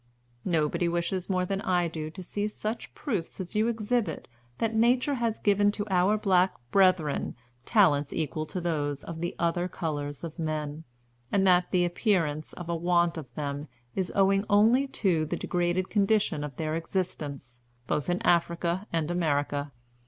Nobody wishes more than I do to see such proofs as you exhibit that Nature has given to our black brethren talents equal to those of the other colors of men, and that the appearance of a want of them is owing only to the degraded condition of their existence, both in Africa and America.